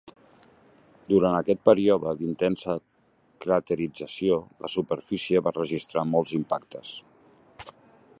Durant aquest període d'intensa craterització, la superfície va registrar molts impactes.